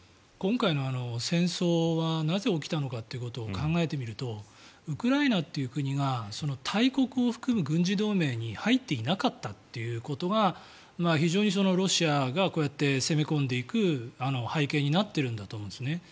今回の戦争はなぜ起きたのかということを考えてみるとウクライナという国が大国を含む軍事同盟に入っていなかったということが非常にロシアがこうやって攻め込んでいく背景になってると思うんですね。